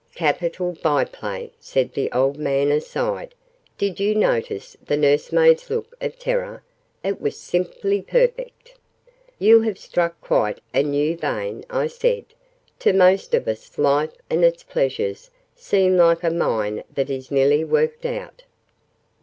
"Capital byplay!" said the old man aside. "Did you notice the nursemaid's look of terror? It was simply perfect!" "You have struck quite a new vein," I said. "To most of us Life and its pleasures seem like a mine that is nearly worked out."